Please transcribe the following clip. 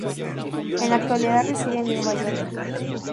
En la actualidad reside en Nueva York.